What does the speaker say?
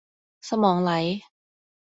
สมองไหล